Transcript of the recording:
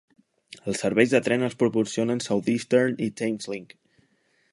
Els serveis de tren els proporcionen Southeastern i Thameslink.